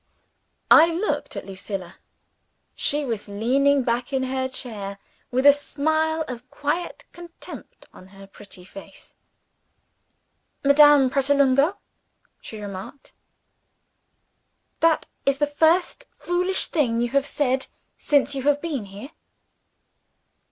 I looked at Lucilla. She was leaning back in her chair, with a smile of quiet contempt on her pretty face. "Madame Pratolungo," she remarked, "that is the first foolish thing you have said, since you have been here."